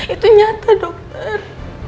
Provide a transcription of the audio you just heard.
itu nyata dokter